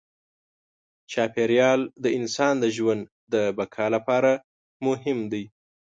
چاپېریال د انسان د ژوند د بقا لپاره مهم دی.